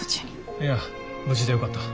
いや無事でよかった。